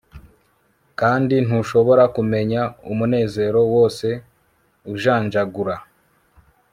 Kandi ntushobora kumenya umunezero wose ujanjagura